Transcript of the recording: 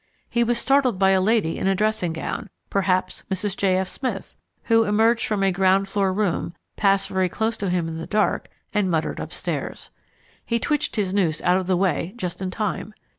He was startled by a lady in a dressing gown perhaps Mrs. J. F. Smith who emerged from a ground floor room passed very close to him in the dark, and muttered upstairs. He twitched his noose out of the way just in time.